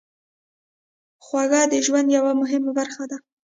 خوږه د ژوند یوه مهمه برخه ده.